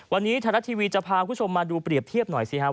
วันนี้ธนาทีวีจะพาคุณผู้ชมมาดูเปรียบเทียบหน่อย